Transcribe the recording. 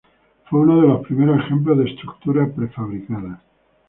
Fue uno de los primeros ejemplos de estructura prefabricada.